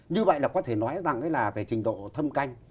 như vậy là có thể nói rằng là về trình độ thâm canh